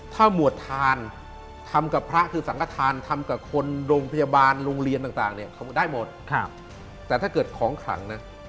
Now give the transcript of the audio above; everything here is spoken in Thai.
ถ้าหมวดทานทำกับพระคือสังกฐานทำกับคนโรงพยาบาลโรงเรียนต่างเนี่ยเขาได้หมดแต่ถ้าเกิดของขลังนะ